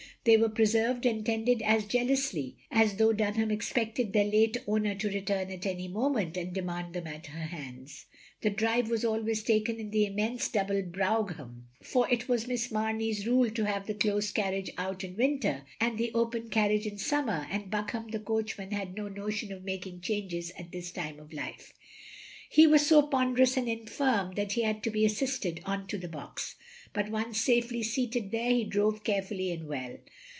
They were preserved and tended as jealously as though Dtmham expected their late owner to rettim at any moment, and demand them at her hands. The drive was always taken in the immense double brougham, for it was Miss Mamey's rule to have the close carriage out in winter, and the open carriage in summer, and Buckam the coach man had no notion of making changes at this time of life. He was so ponderous and infirm that he had to be assisted on to the box ; but once safely seated there, he drove careftilly and well.